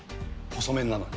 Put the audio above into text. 細麺なのに。